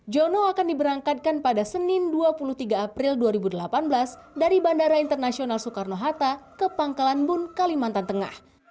jono akan diberangkatkan pada senin dua puluh tiga april dua ribu delapan belas dari bandara internasional soekarno hatta ke pangkalan bun kalimantan tengah